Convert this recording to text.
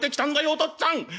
お父っつぁん！」。